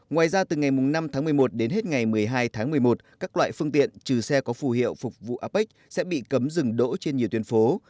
ngoài ra từ ngày năm tháng một mươi một đến hết ngày một mươi hai tháng một mươi một các loại phương tiện trừ xe có phù hiệu phục vụ apec sẽ bị cấm dừng đỗ trên nhiều tuyến phố